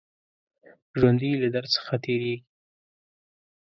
ژوندي له درد څخه تېرېږي